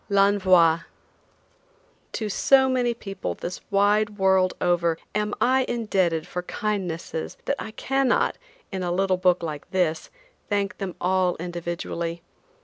L'ENVOI. To so many people this wide world over am I indebted for kindnesses that I cannot, in a little book like this, thank them all individually.